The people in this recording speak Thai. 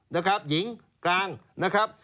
นะครับหญิงกลางนะครับ